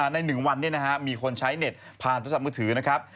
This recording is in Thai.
ใน๑วันนี้มีคนใช้เน็ตผ่านโทรศัพท์มือถือนะครับ